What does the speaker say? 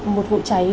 một vụ cháy